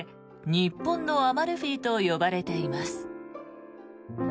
日本のアマルフィと呼ばれています。